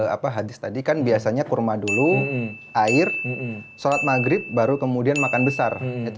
apa hadis tadi kan biasanya kurma dulu air sholat maghrib baru kemudian makan besar